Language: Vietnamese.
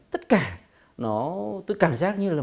tất cả nó tức cảm giác như là